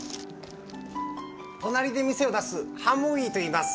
隣で店を出すハムウィといいます。